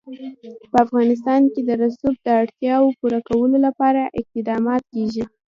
په افغانستان کې د رسوب د اړتیاوو پوره کولو لپاره اقدامات کېږي.